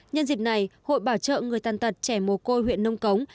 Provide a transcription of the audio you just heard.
nhân dịp này hội bảo trợ người tàn tật trẻ mồ côi huyện nông cống